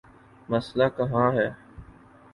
مسئلہ کہاں ہے؟